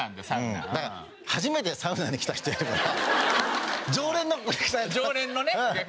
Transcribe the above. だから初めてサウナに来た人やるから常連のお客さんやって。